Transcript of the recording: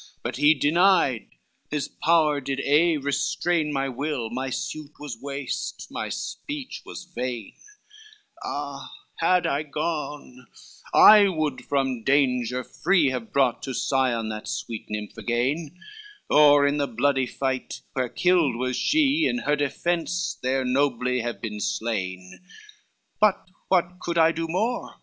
But he denied, his power did aye restrain My will, my suit was waste, my speech was vain: CIII "Ah, had I gone, I would from danger free Have brought to Sion that sweet nymph again, Or in the bloody fight, where killed was she, In her defence there nobly have been slain: But what could I do more?